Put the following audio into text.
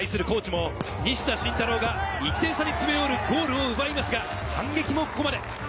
高知も西田慎太郎が１点差に詰め寄るゴールを奪いますが、反撃もここまで。